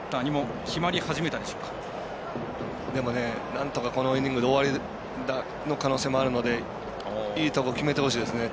なんとかこのイニングで終わりの可能性もあるのでいいところ、決めてほしいですね。